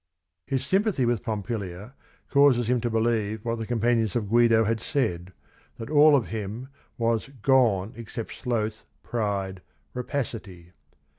His sympathy with Pompilia causes him to believe what the companions of Guido had said, that all of him was "gone except sloth, pride, rapacity."